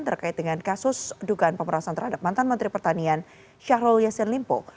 terkait dengan kasus dugaan pemerasan terhadap mantan menteri pertanian syahrul yassin limpo